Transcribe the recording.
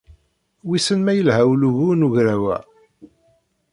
Wissen ma yelha ulugu n ugraw-a?